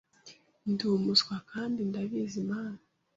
Ndi umuswa kandi ndabizi mana